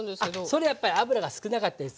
それやっぱり油が少なかったりする時。